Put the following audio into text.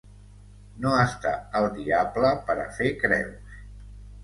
No estar el diable per a fer creus.